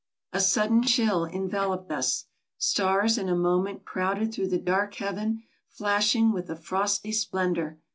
A sudden chill enveloped us. Stars in a moment crowded through the dark heaven, flashing with a frosty splendor.